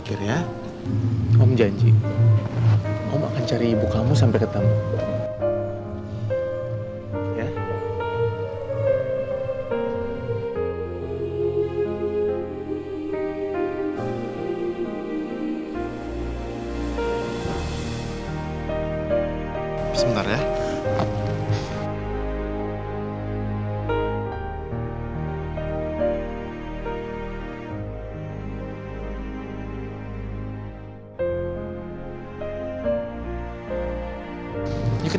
terima kasih ya